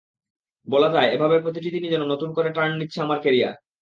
বলা যায়, এভাবে প্রতিটি দিনই যেন নতুন করে টার্ন নিচ্ছে আমার ক্যারিয়ার।